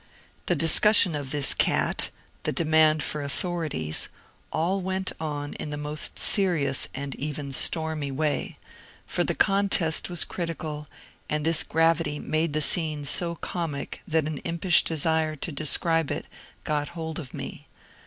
The discussion . of this cat, the demand for authorities, all went on in the most serious and even stormy way, for the contest was criti cal, and this gravity made the scene so comic that an impish desire to describe it got hold of me.